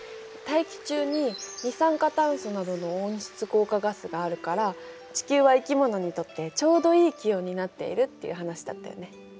大気中に二酸化炭素などの温室効果ガスがあるから地球は生き物にとってちょうどいい気温になっているっていう話だったよね。